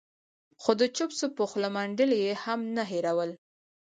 خو د چېپسو په خوله منډل يې هم نه هېرول.